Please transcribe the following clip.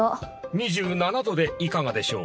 ２７度でいかがでしょう。